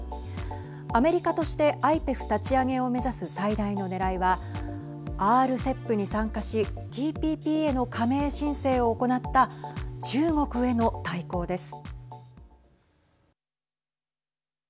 アメリカとしてＩＰＥＦ立ち上げを目指す最大のねらいはＲＣＥＰに参加しＴＰＰへの加盟申請を行った中国への対抗です。